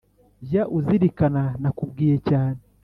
jya uzirikana nakubwiye cyane